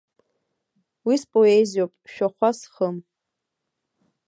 Уи споезиоуп, шәахәа зхым!